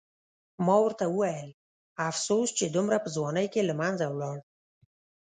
ما ورته وویل: افسوس چې دومره په ځوانۍ کې له منځه ولاړ.